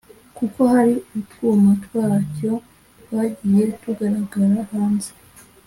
kuko hari utwuma twacyo twagiye tugaragra hanze”